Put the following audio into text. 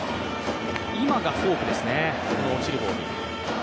今がフォークですね、落ちるボール。